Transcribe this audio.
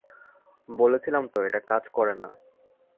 বলেছিলাম তো এটা কাজ করে না!